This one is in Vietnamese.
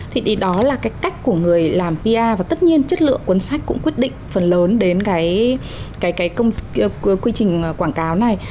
thì đó là cái cách của người làm pr và tất nhiên chất lượng cuốn sách cũng quyết định phần lớn đến cái quy trình quảng cáo này